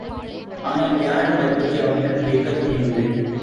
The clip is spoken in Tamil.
ஆனால், யாரும் அதுபற்றி அவனிடம் கேட்கத் துணியவில்லை.